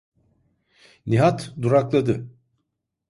Nihat durakladı.